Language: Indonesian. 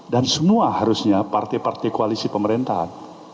dan semua harusnya partai partai koalisi pemerintahan